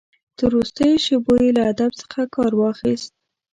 تر وروستیو شېبو یې له ادب څخه کار واخیست.